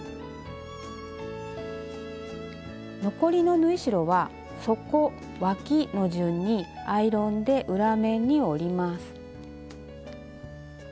残りの縫い代は底わきの順にアイロンで裏面に折ります。